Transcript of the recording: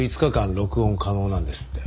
録音可能なんですって。